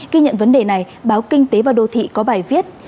khi nhận vấn đề này báo kinh tế và đô thị có bài viết